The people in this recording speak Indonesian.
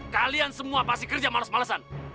kalian semua pasti kerja males malesan